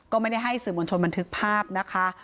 ก็ไม่ได้ให้สื่อมวลชนบันทึกภาพนะคะ